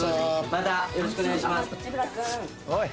またよろしくお願いします。